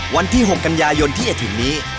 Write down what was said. วันที่๖กันยายนที่จะถึงนี้